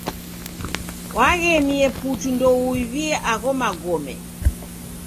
Waghemie putu ndouiw'ie agho magome.